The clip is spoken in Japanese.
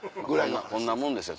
こんなもんですよ